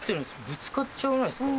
ぶつかっちゃわないですか？